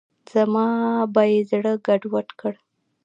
زما به یې زړه ګډوډ کړ.